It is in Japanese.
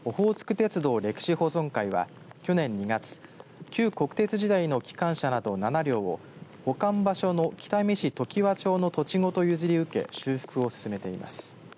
鉄道歴史保存会は去年２月旧国鉄時代の機関車など７両を保管場所の北見市常盤町の土地ごと譲り受け修復を進めています。